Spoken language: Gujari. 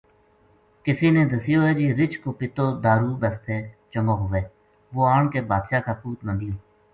کسے نے دسیو ہے جی رچھ کو پِتو دارو بسطے چنگو ہوئے وہ آن کے بادشاہ کا پوت نا دیوں